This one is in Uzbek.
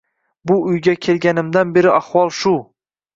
Bu uyga kelg‘animdan beri ahvol shu